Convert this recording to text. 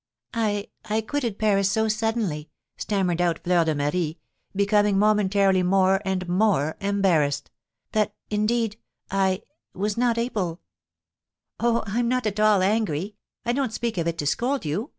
"I I quitted Paris so suddenly," stammered out Fleur de Marie, becoming momentarily more and more embarrassed, "that, indeed I was not able " "Oh, I'm not at all angry! I don't speak of it to scold you!